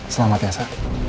selamat ya sa